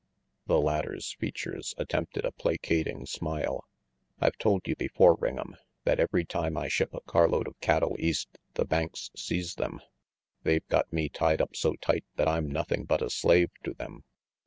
The latter's features attempted a placating smile. "I've told you before, Ring'em, that every time I ship a carload of cattle East the banks seize them. They've got me tied up so tight that I'm nothing but a slave to them.